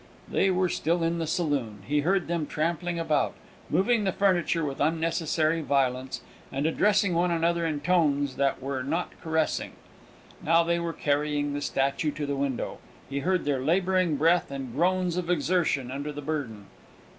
They were still in the saloon; he heard them trampling about, moving the furniture with unnecessary violence, and addressing one another in tones that were not caressing. Now they were carrying the statue to the window; he heard their labouring breath and groans of exertion under the burden.